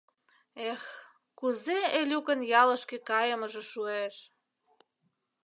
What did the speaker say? Эх, кузе Элюкын ялышке кайымыже шуэш!